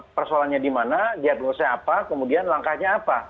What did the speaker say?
persoalannya di mana diagnosanya apa kemudian langkahnya apa